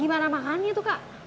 gimana makannya tuh kak